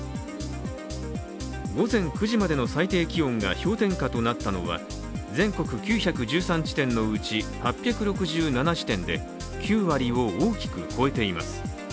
午前９時までの最低気温が氷点下となったのは全国９１３地点のうち８６７地点で９割を大きく超えています。